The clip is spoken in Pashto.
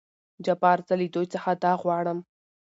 جبار : زه له دوي څخه دا غواړم.